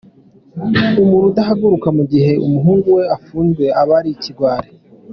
Umuntu udahaguruka mu gihe umuhungu we afunzwe aba ari ikigwari.